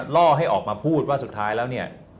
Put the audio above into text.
ล่อให้ออกมาพูดว่าสุดท้ายแล้วเนี่ย